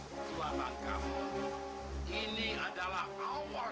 ternyata kamu anak anak yang pintar